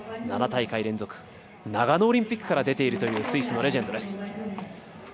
７大会連続長野オリンピックから出ているというスイスのレジェンドです。